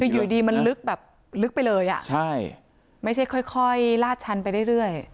อยู่ดีมันลึกแบบลึกไปเลยอ่ะใช่ไม่ใช่ค่อยลาดชันไปเรื่อย